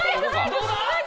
どうだ？